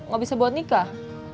gak bisa buat nikah